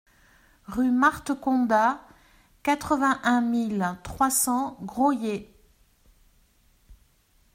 Rue Marthe Condat, quatre-vingt-un mille trois cents Graulhet